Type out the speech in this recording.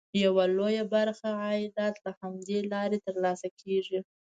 یوه لویه برخه عایدات له همدې لارې ترلاسه کېږي.